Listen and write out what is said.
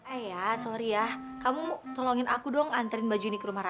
ayah sorry ya kamu tolongin aku dong anterin baju ini ke rumah raka